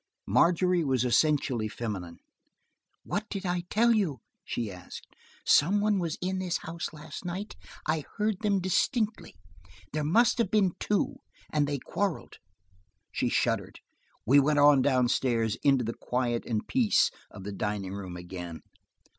Margery was essentially feminine. "What did I tell you?" she asked. "Some one was in this house last night; I heard them distinctly There must have been two, and they quarreled–" she shuddered. We went on down stairs into the quiet and peace of the dining room again.